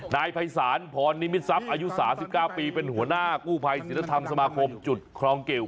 นายภัยศาลพรนิมิตทรัพย์อายุ๓๙ปีเป็นหัวหน้ากู้ภัยศิลธรรมสมาคมจุดครองกิว